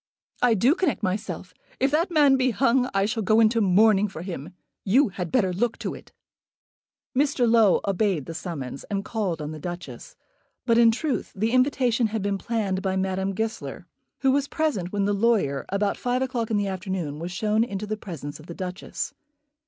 "I do connect myself. If that man be hung I shall go into mourning for him. You had better look to it." Mr. Low obeyed the summons, and called on the Duchess. But, in truth, the invitation had been planned by Madame Goesler, who was present when the lawyer, about five o'clock in the afternoon, was shown into the presence of the Duchess.